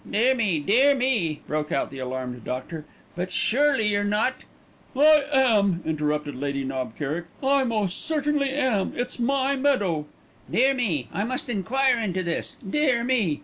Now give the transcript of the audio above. "Dear me, dear me!" broke out the alarmed doctor; "but surely you're not " "I am," interrupted Lady Knob Kerrick. "I most certainly am. It's my meadow." "Dear me! I must enquire into this. Dear me!"